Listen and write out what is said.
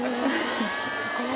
すごい。